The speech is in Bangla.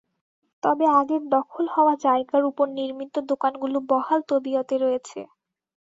তবে আগের দখল হওয়া জায়গার ওপর নির্মিত দোকানগুলো বহাল তবিয়তে রয়েছে।